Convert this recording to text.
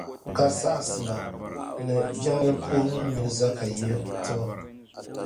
Ka saɣisi ma ni jiŋli puhibu mini zaka tibu